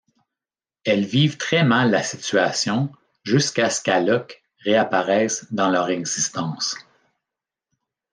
Ils vivent très mal la situation jusqu'à ce qu'Alok réapparaisse dans leur existence.